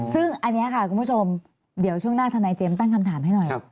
ซึ่งอันนี้ค่ะคุณผู้ชมเดี๋ยวช่วงหน้าทนายเจมส์ตั้งคำถามให้หน่อย